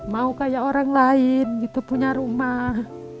mau kayak orang lain gitu punya rumah